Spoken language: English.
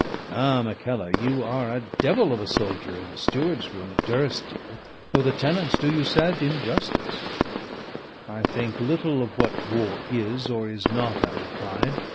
Ah! Mackellar, you are a devil of a soldier in the steward's room at Durrisdeer, or the tenants do you sad injustice!" "I think little of what war is or is not," I replied.